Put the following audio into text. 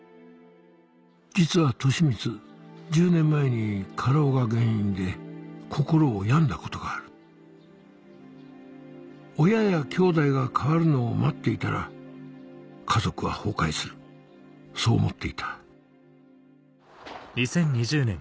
実は俊光１０年前に過労が原因で心を病んだことがある親やきょうだいが変わるのを待っていたら家族は崩壊するそう思っていた